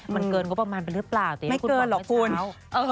มันเกินก็ประมาณไปหรือเปล่าแต่อย่างที่คุณบอกกันเช้า